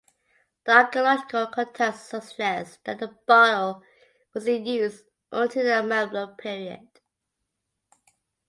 The archaeological context suggests that the bottle was in use until the Mamluk period.